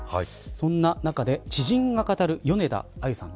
そんな中で知人が語る米田あゆさん